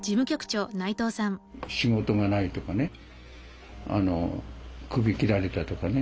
仕事がないとかねクビきられたとかね。